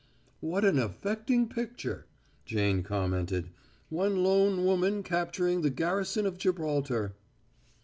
"What an affecting picture!" Jane commented. "One lone woman capturing the garrison of Gibraltar!"